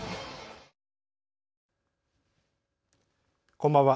こんばんは。